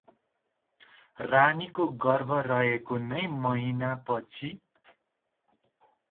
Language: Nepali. रानीको गर्भ रहेको नौ महिना भएपछि रानीलाई फेरि पेट दुख्यो ।